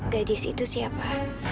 gadis itu siapa